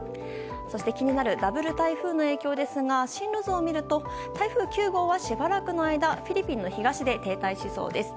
そして、気になるダブル台風の影響ですが、進路図を見ると、台風９号はしばらくの間、フィリピンの東で停滞しそうです。